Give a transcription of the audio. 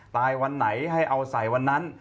วันไหนให้เอาใส่วันนั้น